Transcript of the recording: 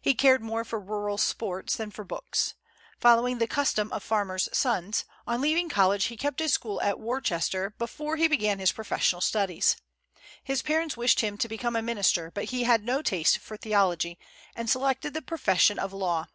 He cared more for rural sports than for books. Following the custom of farmers' sons, on leaving college he kept a school at Worcester before he began his professional studies. His parents wished him to become a minister, but he had no taste for theology, and selected the profession of law.